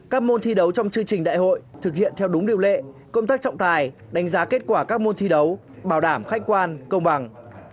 các môn thi đấu trong chương trình đại hội thực hiện theo đúng điều lệ công tác trọng tài đánh giá kết quả các môn thi đấu bảo đảm khách quan công bằng